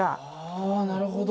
なるほど。